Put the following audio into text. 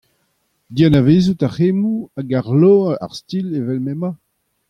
Dianavezout ar cʼhemmoù hag arloañ ar stil evel m’emañ ?